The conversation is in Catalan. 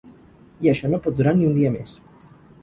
I això no pot durar ni un dia més.